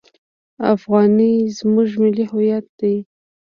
افغانۍ زموږ ملي هویت دی.